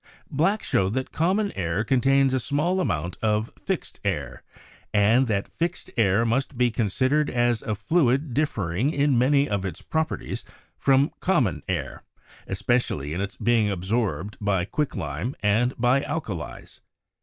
Black showed that common air contains a small amount of "fixed air," and that "fixed air" must be considered as a fluid differing in many of its properties from common air, especially in its being absorbed by quicklime and by alkalies.